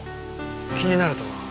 気になるとは？